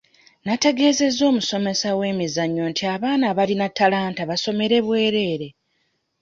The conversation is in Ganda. Nategeezezza omusomesa w'emizannyo nti abaana abalina talanta basomere bwereere.